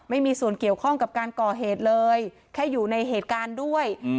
ไม่มีส่วนเกี่ยวข้องกับการก่อเหตุเลยแค่อยู่ในเหตุการณ์ด้วย